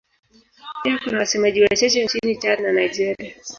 Pia kuna wasemaji wachache nchini Chad na Nigeria.